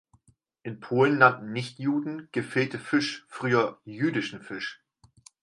In Polen nannten Nichtjuden „Gefilte Fisch“ früher „jüdischen Fisch“.